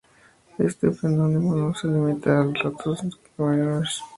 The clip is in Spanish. Este fenómeno no se limita al "Rattus norvegicus".